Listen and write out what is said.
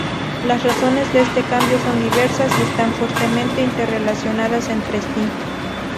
Las razones de ese cambio son diversas y están fuertemente interrelacionadas entre sí.